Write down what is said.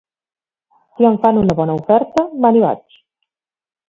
Si em fan una bona oferta, me n'hi vaig.